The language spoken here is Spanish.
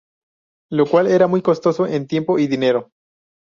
Lo cual era muy costoso en tiempo y dinero.